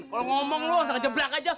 kalau ngomong lu sangat jeblak aja